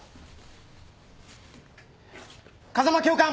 風間教官。